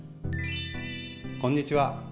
こんにちは。